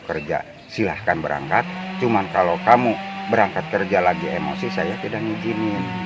kerja silahkan berangkat cuman kalau kamu berangkat kerja lagi emosi saya tidak ngizinin